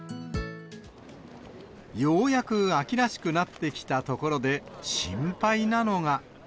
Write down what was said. ようやく秋らしくなってきたところで心配なのが。